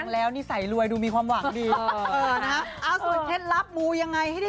แล้วบอกว่าใส่ก็มีโอกาสว่างั้น